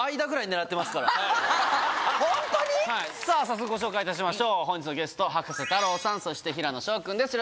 早速ご紹介いたしましょう本日のゲスト葉加瀬太郎さんそして平野紫耀君です。